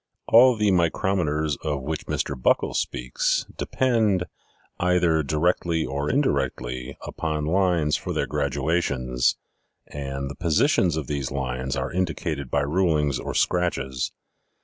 All the micrometers of which Mr. Buckle speaks depend, either directly or indirectly, upon lines for their graduations, and the positions of these lines are indicated by rulings or scratches.